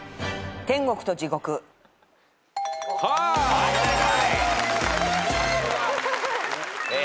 はい正解。